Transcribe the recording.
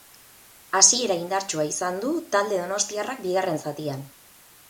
Hasiera indartsua izan du talde donostiarrak bigarren zatian.